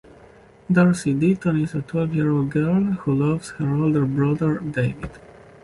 Darcy Deeton is a twelve-year-old girl who loves her older brother, David.